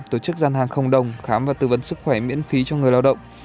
tổ chức gian hàng không đồng khám và tư vấn sức khỏe miễn phí cho người lao động